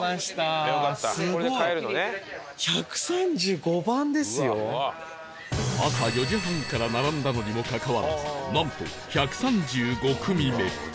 すごい！朝４時半から並んだのにもかかわらずなんと１３５組目